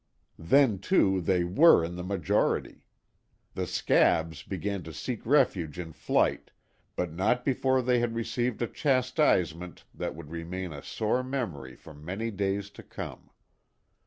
Then, too, they were in the majority. The "scabs" began to seek refuge in flight, but not before they had received a chastisement that would remain a sore memory for many days to come.